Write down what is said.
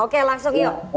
oke langsung yuk